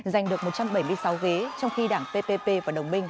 giành được một trăm bảy mươi sáu ghế trong khi đảng ppp và đồng minh